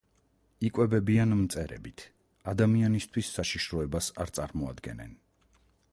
იკვებებიან მწერებით, ადამიანისთვის საშიშროებას არ წარმოადგენენ.